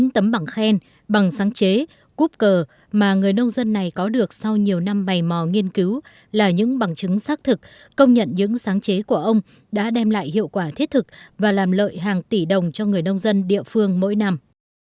tấm bằng khen bằng sáng chế cúp cờ mà người nông dân này có được sau nhiều năm bày mò nghiên cứu là những bằng chứng xác thực công nhận những sáng chế của ông đã đem lại hiệu quả thiết thực và làm lợi hàng tỷ đồng cho người nông dân địa phương mỗi năm